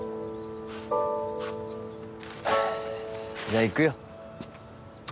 じゃあ行くよ。